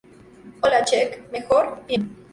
Hola. Check. ¿ mejor? bien.